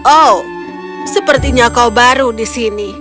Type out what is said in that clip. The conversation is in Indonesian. oh sepertinya kau baru di sini